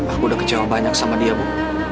aku udah kecewa banyak sama dia bu